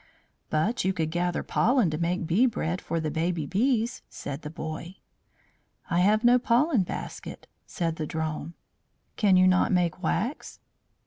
"But you could gather pollen to make bee bread for the baby bees," said the boy. "I have no pollen basket," said the Drone. "Can you not make wax?"